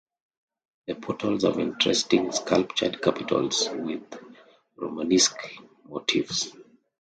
The portals have interesting sculptured capitals with Romanesque motifs.